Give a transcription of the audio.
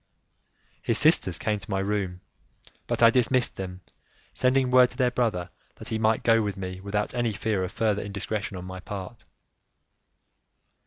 His sisters came to my room, but I dismissed them, sending word to their brother that he might go with me, without any fear of further indiscretion on my part.